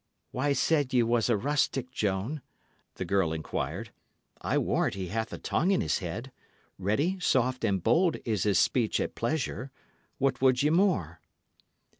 "Why said ye he was rustic, Joan?" the girl inquired. "I warrant he hath a tongue in his head; ready, soft, and bold is his speech at pleasure. What would ye more?"